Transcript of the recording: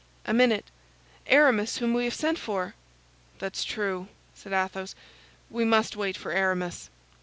"A minute. Aramis, whom we have sent for!" "That's true," said Athos; "we must wait for Aramis."